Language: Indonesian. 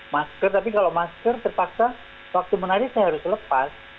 masker tapi kalau masker terpaksa waktu menarik saya harus lepas